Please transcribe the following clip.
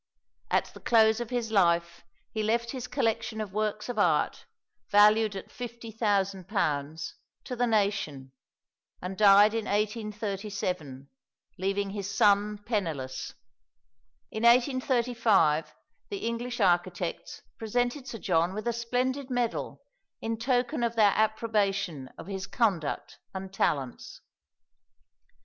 At the close of his life he left his collection of works of art, valued at £50,000, to the nation, and died in 1837, leaving his son penniless. In 1835 the English architects presented Sir John with a splendid medal in token of their approbation of his conduct and talents.